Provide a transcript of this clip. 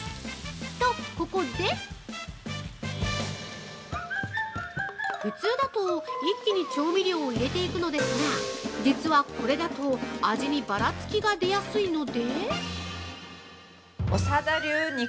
と、ここで普通だと、一気に調味料を入れていくのですが実は、これだと味にばらつきが出やすいので◆